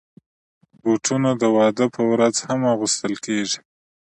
بوټونه د واده پر ورځ هم اغوستل کېږي.